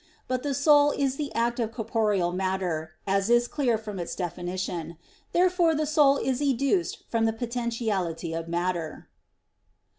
But the soul is the act of corporeal matter, as is clear from its definition. Therefore the soul is educed from the potentiality of matter.